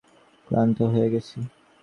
ক্লান্ত হয়ে গেছি।